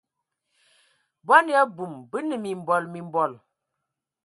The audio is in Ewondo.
Bɔn ya abum, bə nə mimbɔl mimbɔl.